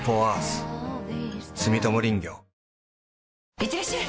いってらっしゃい！